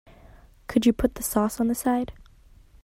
Could you put the sauce on the side?